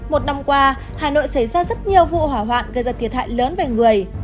một năm qua hà nội xảy ra rất nhiều vụ hỏa hoạn gây ra thiệt hại lớn về người